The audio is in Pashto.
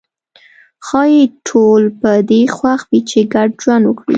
ښايي ټول په دې خوښ وي چې ګډ ژوند وکړي.